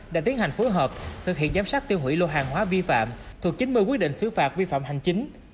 đã tiến hành phối hợp thực hiện giám sát tiêu hủy lô hàng hóa vi phạm thuộc chín mươi quyết định xứ phạt vi phạm hành chính